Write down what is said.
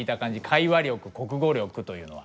会話力国語力というのは？